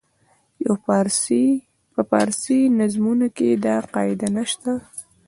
په فارسي نظمونو کې دا قاعده نه شته.